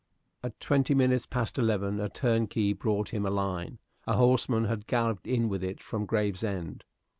At twenty minutes past eleven a turnkey brought him a line; a horseman had galloped in with it from Gravesend.